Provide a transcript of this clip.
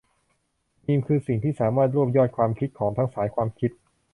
มีมคือสิ่งที่สามารถรวบยอดความคิดของทั้งสายความคิด